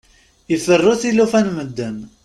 Iferru tilufa n medden.